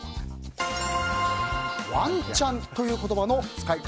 ワンチャンという言葉の使い方